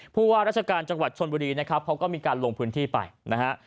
ผู้ว่าราชการจังหวัดชนบุรีนะครับเขาก็มีการลงพื้นที่ไปนะฮะ